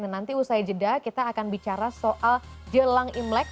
nanti usai jeda kita akan bicara soal jelang imlek